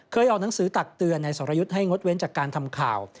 ออกหนังสือตักเตือนนายสรยุทธ์ให้งดเว้นจากการทำข่าว